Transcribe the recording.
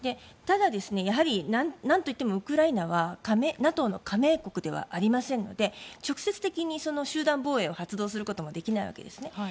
ただ、やはりなんといってもウクライナはＮＡＴＯの加盟国ではありませんので直接的に集団防衛を発動することもできないわけですね。